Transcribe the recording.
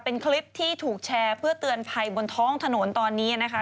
เป็นคลิปที่ถูกแชร์เพื่อเตือนภัยบนท้องถนนตอนนี้นะคะ